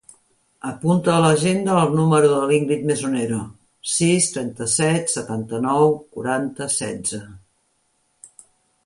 Apunta a l'agenda el número de l'Íngrid Mesonero: sis, trenta-set, setanta-nou, quaranta, setze.